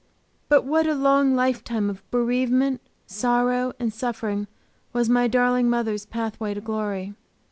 But what a long lifetime of bereavement, sorrow, and suffering was my darling mother's pathway to glory!